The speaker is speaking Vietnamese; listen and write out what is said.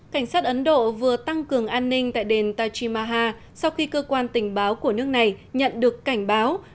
cảnh sát ấn độ vừa tăng cường an ninh tại đền tajimaha sau khi cơ quan tình báo của nước này nhận được cảnh báo